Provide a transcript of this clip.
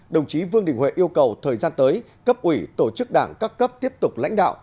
đồng chí vương đình huệ yêu cầu thời gian tới cấp ủy tổ chức đảng các cấp tiếp tục lãnh đạo